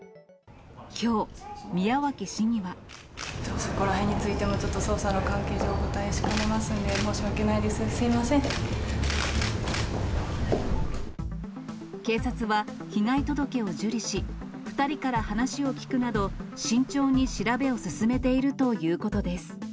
きょう、そこらへんについては、ちょっと捜査の関係上、お答えしかねますんで、申し訳ないです、警察は、被害届を受理し、２人から話を聴くなど、慎重に調べを進めているということです。